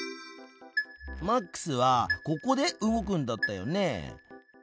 マックスはここで動くんだったよね。